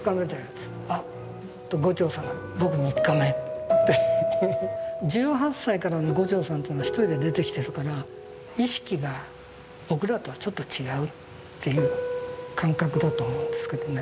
っつうと牛腸さんが１８歳からの牛腸さんというのは一人で出てきてるから意識が僕らとはちょっと違うっていう感覚だと思うんですけどね。